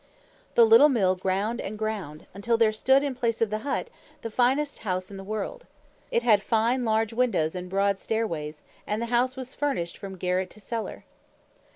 The little Mill ground and ground, until there stood, in place of the hut, the finest house in the world. It had fine large windows and broad stairways, and the house was furnished from garret to cellar.